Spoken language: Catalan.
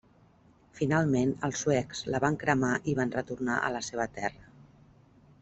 Finalment, els suecs, la van cremar i van retornar a la seva terra.